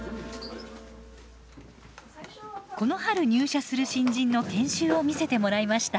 この春入社する新人の研修を見せてもらいました。